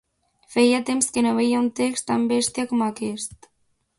Feia temps que no veia un text tan bèstia com aquest.